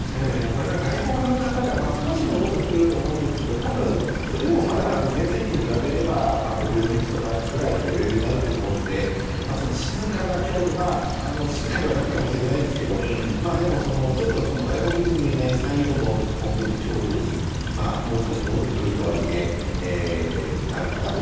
外国の方が少し戻ってくると思いますが多分、それでもまだ全盛期に比べれば５分の１ぐらいのレベルになると思うので静かな京都静かではないかもしれないですが外国人のいない最後の京都にもう少し戻ってくるとはいえどう？